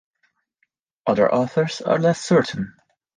Other authors are less certain.